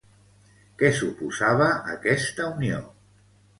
Què suposava aquesta unió?